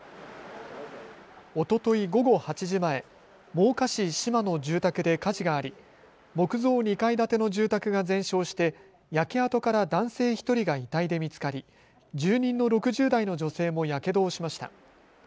おととい午後８時前、真岡市島の住宅で火事があり木造２階建ての住宅が全焼して焼け跡から男性１人が遺体で見つかり、住人の６０代の女性もやけどをしました。